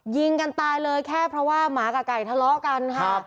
ยิงกันตายเลยแค่เพราะว่าหมากับไก่ทะเลาะกันค่ะ